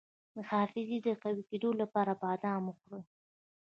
د حافظې د قوي کیدو لپاره بادام وخورئ